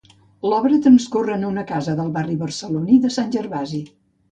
L'obra transcorre en una casa del barri barceloní de Sant Gervasi.